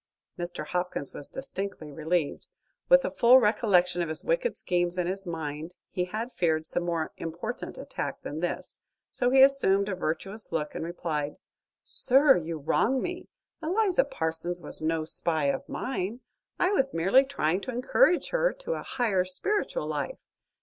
Mr. Hopkins was distinctly relieved. With a full recollection of his wicked schemes in his mind, he had feared some more important attack than this; so he assumed a virtuous look, and replied: "Sir, you wrong me. Eliza Parsons was no spy of mine. I was merely trying to encourage her to a higher spiritual life.